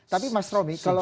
tapi mas romy kalau